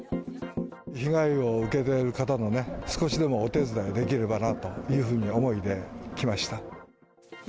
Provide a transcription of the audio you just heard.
被害を受けてる方の少しでもお手伝いできればなという思いで来ました。